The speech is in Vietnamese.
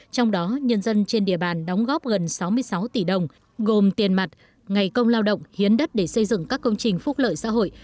trong đó nhân dân trên địa bàn đóng góp gần sáu mươi sáu tỷ đồng gồm tiền mặt ngày công lao động hiến đất để xây dựng các công trình phúc lợi xã hội